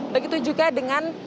begitu juga dengan